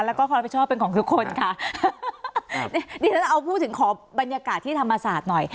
แล้วก็ความรับผิดชอบเป็นของคือคนค่ะดิฉันเอาพูดถึงขอบรรยากาศที่ธรรมศาสตร์หน่อย